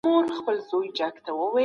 د بل انسان ژوند مه اخلئ.